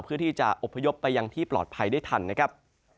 เพื่อที่จะอบพยพไปยังที่ปลอดภัยได้ทันนะครับ